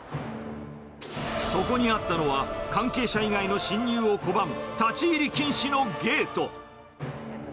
そこにあったのは、関係者以外の進入を拒む、立ち入り禁止のゲート。